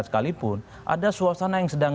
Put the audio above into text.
sekalipun ada suasana yang sedang